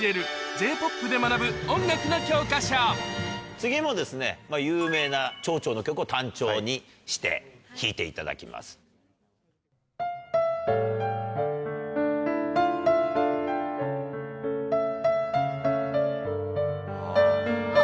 次も有名な長調の曲を短調にして弾いていただきます。あっ。